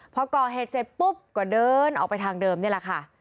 พอก่อเหตุเสร็จปุ๊บก็เดินออกไปทางเดิมนี่แหละค่ะ